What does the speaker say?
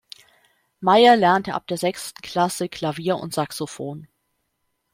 Meyer lernte ab der sechsten Klasse Klavier und Saxophon.